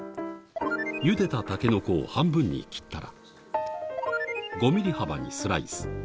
ゆでたタケノコを半分に切ったら、５ミリ幅にスライス。